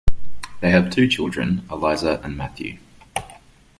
They have two children, Eliza and Matthew.